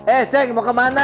eh cek mau kemana